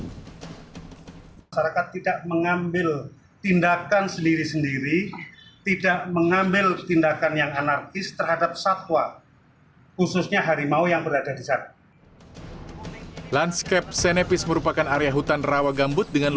masyarakat tidak mengambil tindakan sendiri sendiri tidak mengambil tindakan yang anarkis terhadap satwa khususnya harimau yang berada di sana